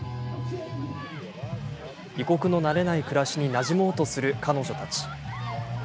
異国の慣れない暮らしになじもうとする彼女たち。